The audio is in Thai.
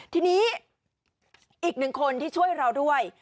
ทีนี้อีกหนึ่งคนที่ช่วยเราด้วย